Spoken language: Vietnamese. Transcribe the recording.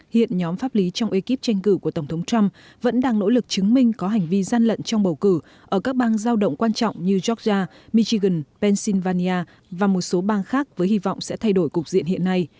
hiện nhóm pháp lý trong ekip tranh cử của tổng thống trump vẫn đang nỗ lực chứng minh có hành vi gian lận trong bầu cử ở các bang giao động quan trọng như georgia michigan pennsylvania và một số bang khác với hy vọng sẽ thay đổi cục diện hiện nay